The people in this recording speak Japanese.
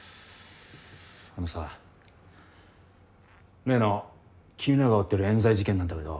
ふぅあのさ例の君らが追ってるえん罪事件なんだけど。